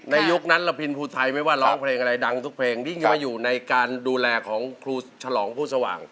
ยุคนั้นระพินภูไทยไม่ว่าร้องเพลงอะไรดังทุกเพลงที่จะมาอยู่ในการดูแลของครูฉลองผู้สว่าง